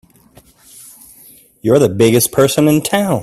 You're the biggest person in town!